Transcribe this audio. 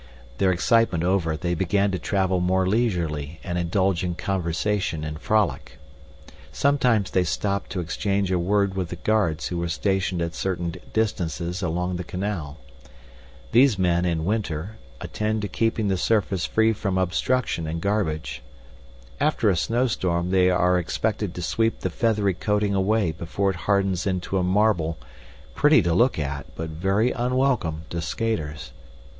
This excitement over, they began to travel more leisurely and indulge in conversation and frolic. Sometimes they stopped to exchange a word with the guards who were stationed at certain distances along the canal. These men, in winter, attend to keeping the surface free from obstruction and garbage. After a snowstorm they are expected to sweep the feathery covering away before it hardens into a marble pretty to look at but very unwelcome to skaters.